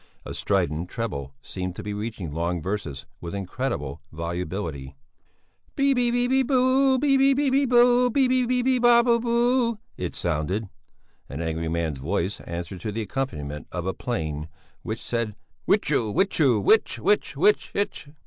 A strident treble seemed to be reciting long verses with incredible volubility. "Babebibobubybäbö Babebibobubybäbö Babebibobubybäbö," it sounded. An angry man's voice answered to the accompaniment of a plane which said hwitcho hwitcho hwitch hwitch hitch hitch.